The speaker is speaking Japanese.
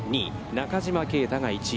中島啓太が１位。